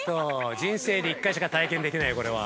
人生で一回しか体験できないよこれは。